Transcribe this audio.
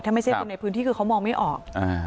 ถ้าไม่ใช่คนในพื้นที่คือเขามองไม่ออก